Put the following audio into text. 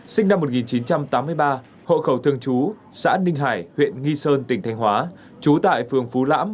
sinh năm một nghìn chín trăm tám mươi ba hộ khẩu thương chú xã ninh hải huyện nghi sơn tỉnh thành hóa chú tại phường phú lãm